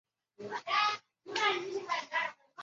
间的分别十分相似。